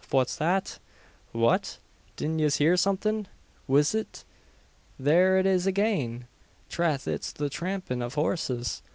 fwhat's that?" "What?" "Didn't yez heear somethin'? Wheesht! Thare it is agane! Trath, it's the trampin' av horses!